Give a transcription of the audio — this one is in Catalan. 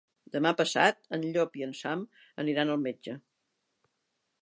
Demà passat en Llop i en Sam aniran al metge.